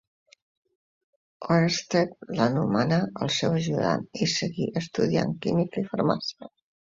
Oersted l'anomenà el seu ajudant i seguí estudiant química i farmàcia.